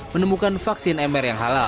menemukan vaksin mr yang halal